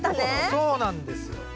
そうなんですよ。